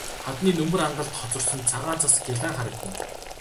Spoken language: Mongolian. Хадны нөмөр ангалд хоцорсон цагаан цас гялайн харагдана.